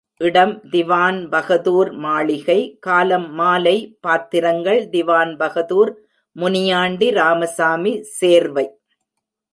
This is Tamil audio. இடம் திவான்பகதூர் மாளிகை காலம் மாலை பாத்திரங்கள் திவான்பகதூர், முனியாண்டி, ராமசாமி சேர்வை.